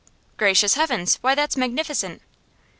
'Gracious heavens! Why, that's magnificent.